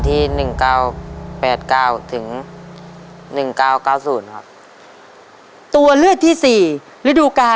และตัวเลือกที่๔ฤดูการ๑๙๘๙๑๙๙๐